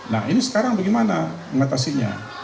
nah ini sekarang bagaimana mengatasinya